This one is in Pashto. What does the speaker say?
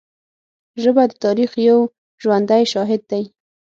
ژبه د تاریخ یو ژوندی شاهد دی